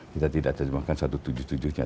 kita tidak menerjemahkan satu tujuh tujuhnya